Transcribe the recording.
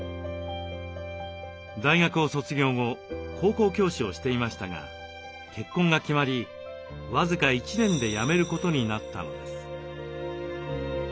大学を卒業後高校教師をしていましたが結婚が決まり僅か一年で辞めることになったのです。